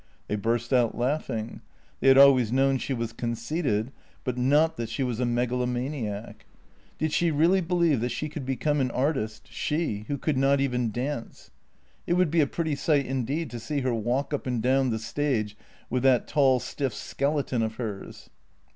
They burst out laughing; they had always known she was conceited, but not that she was a megalomaniac. Did she really believe that she could become an artist, she, who could not even dance? It would be a pretty sight indeed to see her walk up and down the stage with that tall, stiff skeleton of hers.